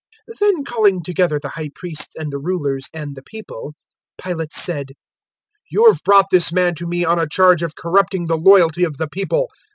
023:013 Then calling together the High Priests and the Rulers and the people, Pilate said, 023:014 "You have brought this man to me on a charge of corrupting the loyalty of the people.